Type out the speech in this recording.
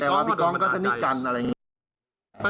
แต่ว่าพี่กองก็สนิทกันอะไรอย่างนี้